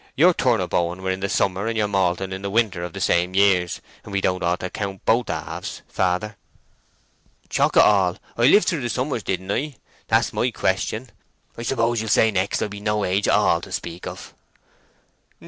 "Your turnip hoeing were in the summer and your malting in the winter of the same years, and ye don't ought to count both halves, father." "Chok' it all! I lived through the summers, didn't I? That's my question. I suppose ye'll say next I be no age at all to speak of?"